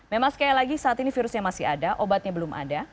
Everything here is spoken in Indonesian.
memang sekali lagi saat ini virusnya masih ada obatnya belum ada